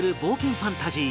ファンタジー